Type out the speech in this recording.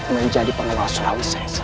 menjadi pengawal surawi sesa